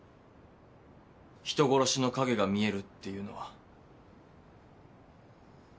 人殺しの影が見えるっていうのは。